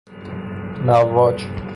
مواج